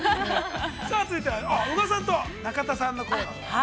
さあ続いては、宇賀さんと中田さんのコーナーです。